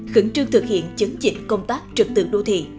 khẩn trương thực hiện chấn dịch công tác trực tựa đô thị